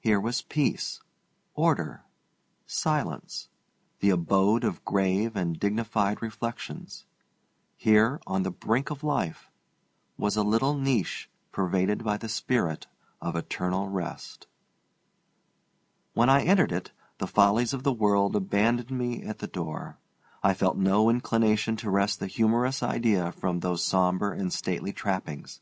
Here was peace, order, silence, the abode of grave and dignified reflections. Here, on the brink of life, was a little niche pervaded by the spirit of eternal rest. When I entered it, the follies of the world abandoned me at the door. I felt no inclination to wrest a humorous idea from those sombre and stately trappings.